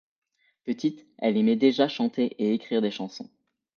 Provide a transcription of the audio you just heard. Petite, elle aimait déjà chanter et écrire des chansons.